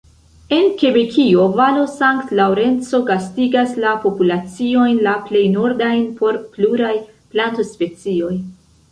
En Kebekio, valo Sankt-Laŭrenco gastigas la populaciojn la plej nordajn por pluraj plantospecioj.